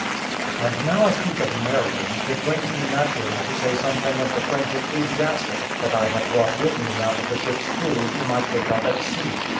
And now I speak of marrying, it brings me naturally to say something of the French ecclesiastic that I had brought with me out of the ship's crew whom I took up at sea.